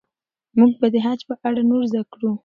موږ به د خج په اړه نور زده کړو.